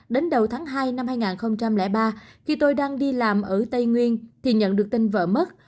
đến đầu tháng hai năm hai nghìn ba khi tôi đang đi làm ở tây nguyên thì nhận được tin vợ mất